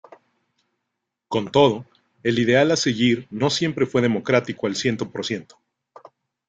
Con todo, el ideal a seguir no siempre fue democrático al ciento por ciento.